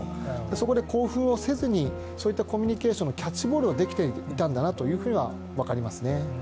そこで興奮をせずにコミュニケーションのキャッチボールができていたんだなということは分かりますね。